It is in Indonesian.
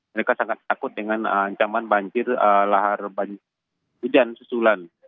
mereka sangat takut dengan ancaman banjir lahar hujan susulan